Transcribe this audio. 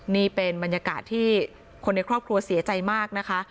นี่เป็นบรรยากาศที่คนในครอบครัวเสียใจมากนะคะ